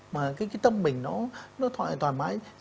mà cái tâm mình nó thoải mái